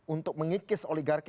untuk mengikis oligarki